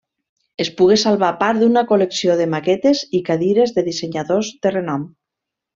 Es pogué salvar part d'una col·lecció de maquetes i cadires de dissenyadors de renom.